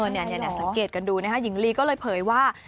เนี่ยสังเกตกันดูนะฮะ